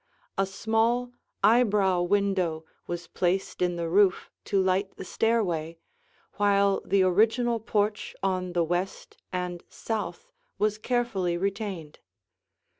A small eyebrow window was placed in the roof to light the stairway, while the original porch on the west and south was carefully retained.